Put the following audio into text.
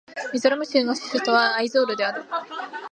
ミゾラム州の州都はアイゾールである